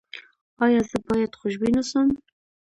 ایا زه باید خوشبین اوسم؟